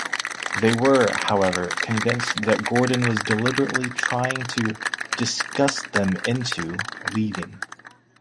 They were however convinced that Gordon was deliberately trying to 'disgust them into' leaving.